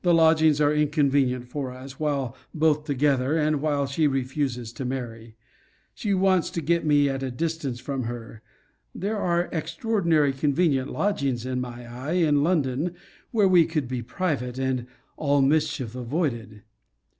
The lodgings are inconvenient for us, while both together, and while she refuses to marry. She wants to get me at a distance from her; there are extraordinary convenient lodgings, in my eye, in London, where we could be private, and all mischief avoided.